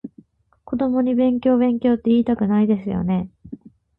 子供に勉強勉強っていいたくないですよね？